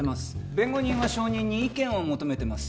弁護人は証人に意見を求めてます